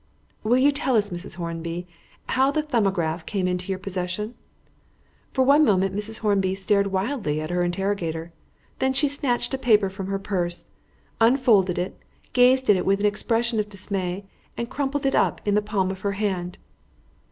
"Will you tell us, Mrs. Hornby, how the 'Thumbograph' came into your possession?" For one moment Mrs. Hornby stared wildly at her interrogator; then she snatched a paper from her purse, unfolded it, gazed at it with an expression of dismay, and crumpled it up in the palm of her hand.